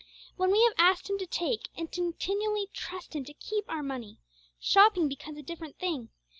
When we have asked Him to take, and continually trust Him to keep our money, 'shopping' becomes a different thing.